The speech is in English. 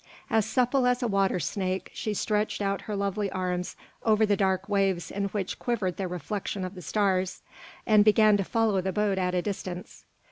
As supple as a water snake, she stretched out her lovely arms over the dark waves in which quivered the reflection of the stars, and began to follow the boat at a distance.